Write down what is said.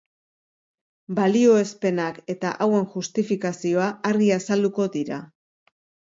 Balioespenak eta hauen justifikazioa argi azalduko dira.